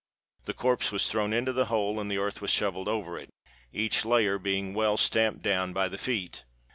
The corpse was thrown into the hole, and the earth was shovelled over it—each layer being well stamped down by the feet.